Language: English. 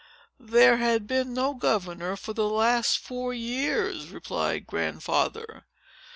"There had been no governor for the last four years," replied Grandfather.